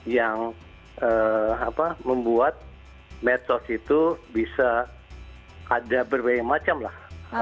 yang membuat medsos itu bisa ada berbagai macam lah